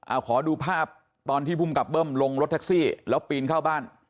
เอาขอดูภาพตอนที่ภูมิกับเบิ้มลงรถแท็กซี่แล้วปีนเข้าบ้าน